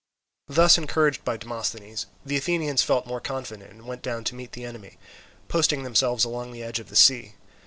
Thus encouraged by Demosthenes, the Athenians felt more confident, and went down to meet the enemy, posting themselves along the edge of the sea.